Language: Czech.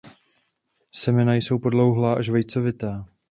Semena jsou podlouhlá až vejcovitá.